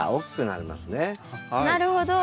なるほど。